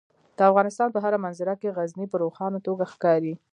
د افغانستان په هره منظره کې غزني په روښانه توګه ښکاري.